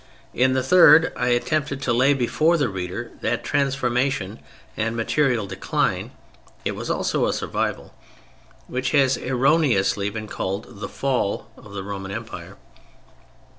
In the third I attempted to lay before the reader that transformation and material decline (it was also a survival), which has erroneously been called "the fall" of the Roman Empire.